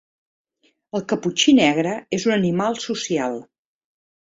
El caputxí negre és un animal social.